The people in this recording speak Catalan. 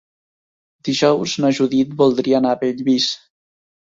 Dijous na Judit voldria anar a Bellvís.